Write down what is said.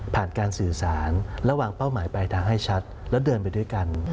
การสื่อสารระหว่างเป้าหมายปลายทางให้ชัดแล้วเดินไปด้วยกัน